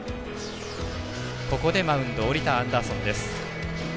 ここでマウンドを降りたアンダーソンです。